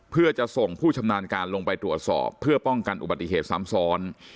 เพื่อจะส่งผู้ชำนาญการลงไปตรวจสอบเพื่อป้องกันอุบัติเหตุซ้ำซ้อน